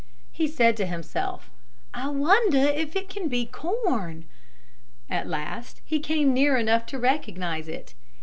He said to himself, "I wonder if it can be corn." At last he came near enough to recognize it.